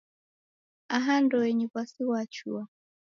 Aha ndoenyi w'asi ghwachua.